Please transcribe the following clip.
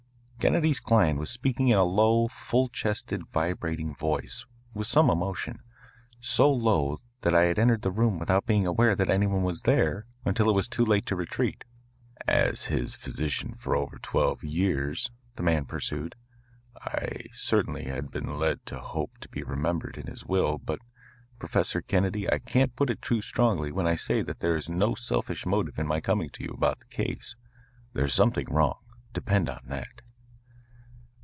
Kennedy's client was speaking in a low, full chested, vibrating voice, with some emotion, so low that I had entered the room without being aware that any one was there until it was too late to retreat. "As his physician for over twelve years," the man pursued, "I certainly had been led to hope to be remembered in his will. But, Professor Kennedy, I can't put it too strongly when I say that there is no selfish motive in my coming to you about the case. There is something wrong depend on that."